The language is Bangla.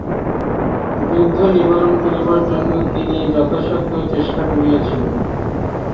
যুদ্ধ নিবারণ করিবার জন্য তিনি যথাসাধ্য চেষ্টা করিয়াছিলেন।